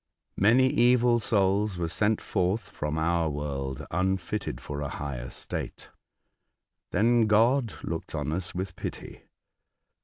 Many evil souls were sent forth from our world unfitted for a higher state. Then God looked on us with pity.